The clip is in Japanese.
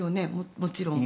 もちろん。